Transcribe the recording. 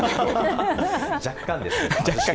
若干です。